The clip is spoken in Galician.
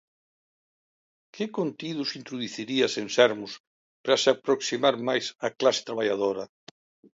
Que contidos introducirías en Sermos para se aproximar máis á clase traballadora?